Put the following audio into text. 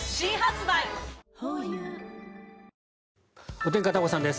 お天気、片岡さんです。